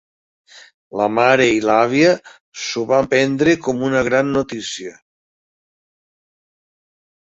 La mare i l'àvia s'ho van prendre com una gran notícia.